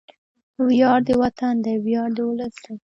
وياړ د وطن دی، ویاړ د ولس دی